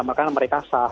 maka mereka sah